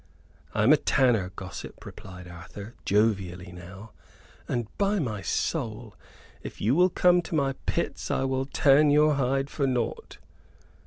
"I am a tanner, gossip," replied Arthur, jovially now, "and by my soul, if you will come to my pits I will tan your hide for naught."